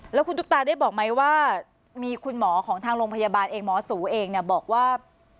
แล้วคุณตุ๊กตาได้บอกไหมว่ามีคุณหมอของทางโรงพยาบาลเองหมอสูเองเนี่ยบอกว่า